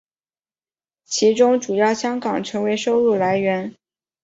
其中主要香港成为收入来源。